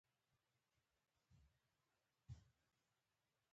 تذکره لرې؟